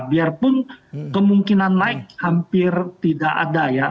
biarpun kemungkinan naik hampir tidak ada ya